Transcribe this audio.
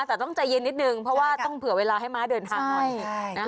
แต่ต้องใจเย็นนิดนึงเพราะว่าต้องเผื่อเวลาให้ม้าเดินทางหน่อย